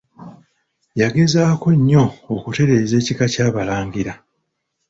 Yageezaako nnyo okutereeza Ekika ky'Abalangira.